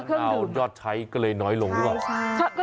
เอายอดใช้ก็เลยน้อยลงกว่า